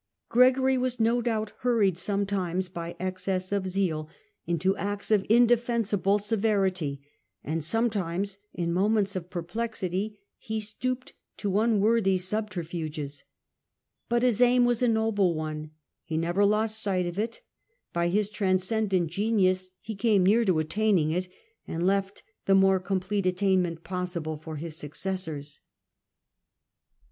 Gregory was no doubt hurried sometimes by excess of zeal into acts of indefensible severity, and sometimes, in moments of perplexity, he stooped to un Y worthy subterfuges; but his aim was a noble one: he / never lost sight of it; by his transcendent genius he came near to attaining it, and left the more complete attainment possible for his successors.